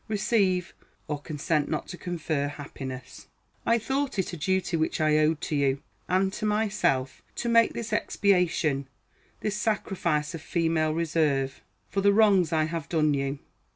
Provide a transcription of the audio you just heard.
Receive, or consent not to confer, happiness. I thought it a duty which I owed to you, and to myself, to make this expiation, this sacrifice of female reserve, for the wrongs I have done you.